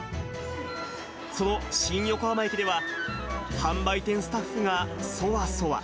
その新横浜駅では、販売店スタッフがそわそわ。